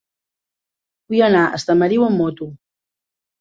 Vull anar a Estamariu amb moto.